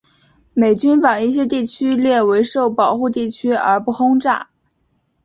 美军把一些地区列为受保护地区而不轰炸。